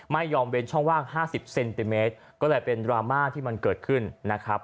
ไม่ยอมเว้นช่องว่างห้าสิบเซนติเมตรก็เลยเป็นดราม่าที่มันเกิดขึ้นนะครับ